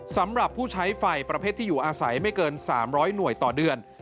สำหรับผู้ใช้ไฟประเภทที่อยู่อาศัยไม่เกิน๓๐๐หน่วยต่อเดือน